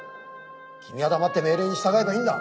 君は黙って命令に従えばいいんだ！